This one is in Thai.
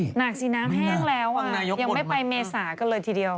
ยังไม่ไปเมริกาเลยทีเดียว